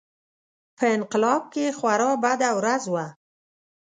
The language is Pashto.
په انقلاب کې خورا بده ورځ وه.